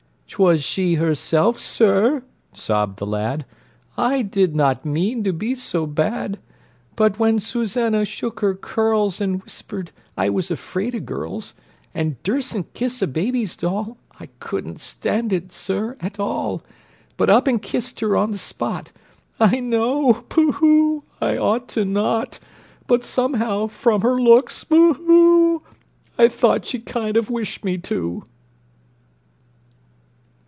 "'Twas she herself, sir," sobbed the lad; "I did not mean to be so bad; But when Susannah shook her curls, And whispered, I was 'fraid of girls And dursn't kiss a baby's doll, I couldn't stand it, sir, at all, But up and kissed her on the spot! I know boo hoo I ought to not, But, somehow, from her looks boo hoo I thought she kind o' wished me to!"